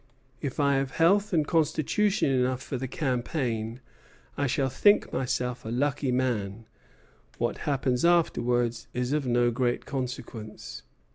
If I have health and constitution enough for the campaign, I shall think myself a lucky man; what happens afterwards is of no great consequence."